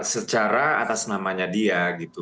secara atas namanya dia